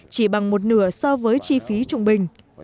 chỉ bằng một nửa so với chi phí trung bình